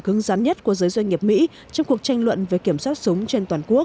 cứng rắn nhất của giới doanh nghiệp mỹ trong cuộc tranh luận về kiểm soát súng trên toàn quốc